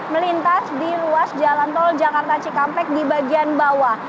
melintas di ruas jalan tol jakarta cikampek di bagian bawah